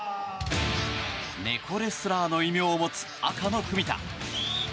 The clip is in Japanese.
猫レスラーの異名を持つ赤の文田。